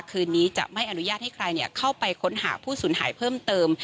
คืนนี้จะไม่อนุญาตให้ใครเข้าไปค้นหาผู้สูญหายเพิ่มเติม